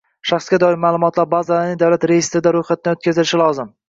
Shaxsga doir ma’lumotlar bazalarining davlat reyestrida ro‘yxatdan o‘tkazilishi lozim.